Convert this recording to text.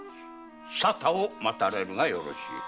沙汰を待たれるがよろしい。